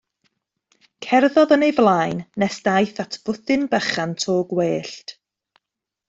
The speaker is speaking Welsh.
Cerddodd yn ei flaen nes daeth at fwthyn bychan to gwellt.